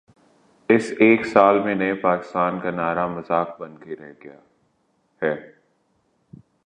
اس ایک سال میں نئے پاکستان کا نعرہ مذاق بن کے رہ گیا ہے۔